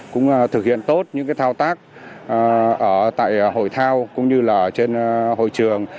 cũng thực hiện tốt những cái thao tác ở tại hội thao cũng như là ở trên hội trường